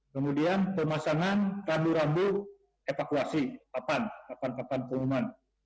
kemudian pemasangan rambu rambu evakuasi papan papan pengumuman